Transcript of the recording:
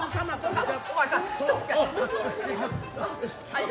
はい。